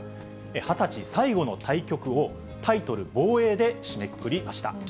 ２０歳最後の対局を、タイトル防衛で締めくくりました。